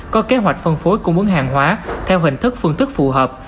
có kế hoạch phân phối cung ứng hàng hóa theo hình thức phương thức phù hợp